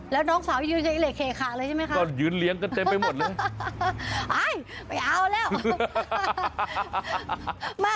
แล้วน้องสาวยืนเหล่ะเขขาเลยใช่ไหม